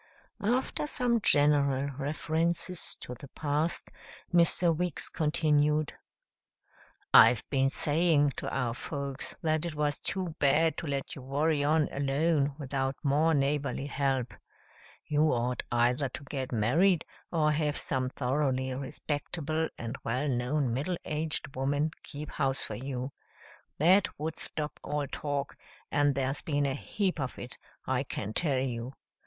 After some general references to the past, Mr. Weeks continued, "I've been saying to our folks that it was too bad to let you worry on alone without more neighborly help. You ought either to get married or have some thoroughly respectable and well known middle aged woman keep house for you. That would stop all talk, and there's been a heap of it, I can tell you.